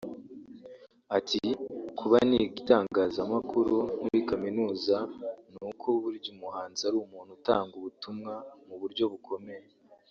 Ati “Kuba niga itangazamakuru muri kaminuza ni uko burya umuhanzi ari umuntu utanga ubutumwa mu buryo bukomeye